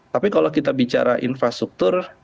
tapi kalau kita bicara infrastruktur